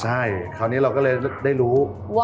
ใช่คราวนี้เราก็เลยได้รู้